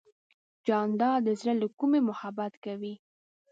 جانداد د زړه له کومې محبت کوي.